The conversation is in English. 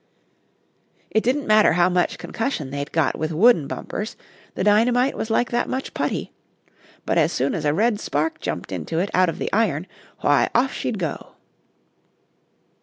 It didn't matter how much concussion they got with wooden bumpers, the dynamite was like that much putty; but as soon as a red spark jumped into it out of the iron, why, off she'd go."